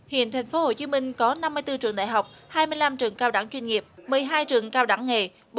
hiện thành phố hồ chí minh có năm mươi bốn trường đại học hai mươi năm trường cao đẳng chuyên nghiệp một mươi hai trường cao đẳng nghề